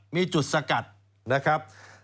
มีจุดสกัดนะครับ